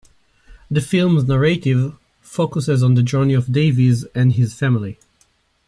The film's narrative focuses on the journey of Davies and his family.